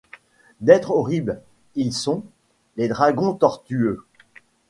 D'être horribles ; ils sont, les dragons tortueux